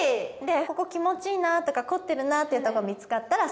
ここ気持ちいいなあとかこってるなっていうとこ見つかったら